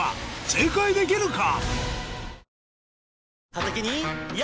正解できるか？